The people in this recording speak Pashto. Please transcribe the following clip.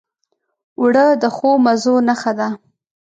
اوړه د ښو مزو نښه ده